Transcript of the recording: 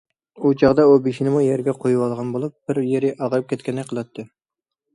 بۇ چاغدا ئۇ بېشىنىمۇ يەرگە قويۇۋالغان بولۇپ بىر يېرى ئاغرىپ كەتكەندەك قىلاتتى.